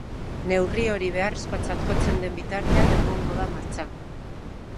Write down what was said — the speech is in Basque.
Neurri hori beharrezkotzat jotzen den bitartean egongo da martxan.